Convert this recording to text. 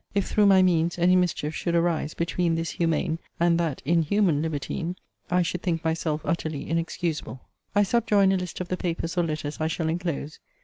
If through my means any mischief should arise, between this humane and that inhuman libertine, I should think myself utterly inexcusable. I subjoin a list of the papers or letters I shall enclose.